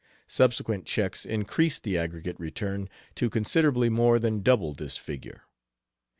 Subsequent checks increased the aggregate return to considerably more than double this figure.